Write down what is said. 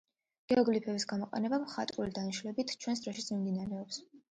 გეოგლიფების გამოყენება მხატვრული დანიშნულებით ჩვენს დროშიც მიმდინარეობს.